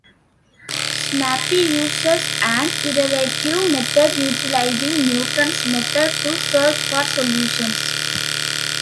SnapPea uses an iterative method utilizing Newton's method to search for solutions.